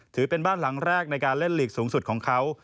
ถือเป็นบ้านหลังแรกในการเล่นหลีกสูงสุดของเขา